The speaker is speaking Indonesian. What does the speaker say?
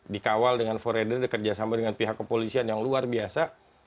dikawal dengan foreider kerjasama dengan pihak kepolisian yang luar biasa